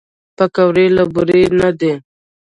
پکورې له بوره نه دي